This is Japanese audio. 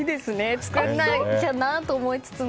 作らなきゃなと思いつつも。